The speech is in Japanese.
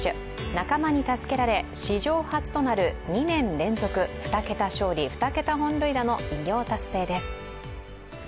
仲間に助けられ、史上初となる２年連続２桁勝利、２桁本塁打の偉業達成です。